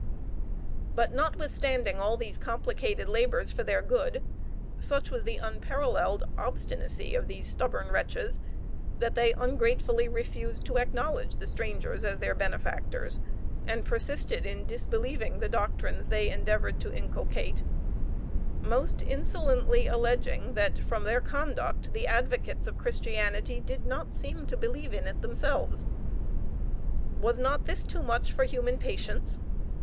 But not withstanding all these complicated labors for their good, such was the unparalleled obstinacy of these stubborn wretches, that they ungratefully refused to acknowledge the strangers as their benefactors, and persisted in disbelieving the doctrines they endeavored to inculcate; most insolently alleging that, from their conduct, the advocates of Christianity did not seem to believe in it themselves. Was not this too much for human patience?